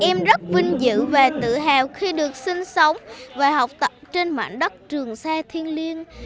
em rất vinh dự và tự hào khi được sinh sống và học tập trên mảnh đất trường sa thiên liêng